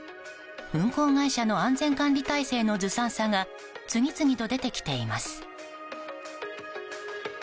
運航会社の安全管理体制のずさんさが次々と出てきています。